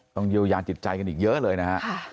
ต้องอยู่ใจจิตใจกันอีกเยอะเลยนะ